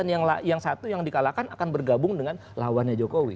dan yang satu yang di kalahkan akan bergabung dengan lawannya jokowi